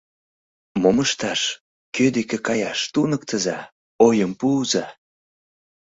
Мом ышташ, кӧ деке каяш, туныктыза, ойым пуыза.